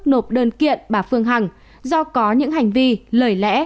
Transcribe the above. nộp đơn kiện bà phương hằng do có những hành vi lời lẽ